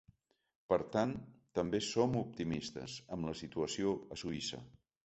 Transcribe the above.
Per tant, també som optimistes amb la situació a Suïssa.